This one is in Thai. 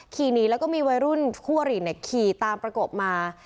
ขี่หนีแล้วก็มีวัยรุ่นคู่อริขี่ตามประกบมา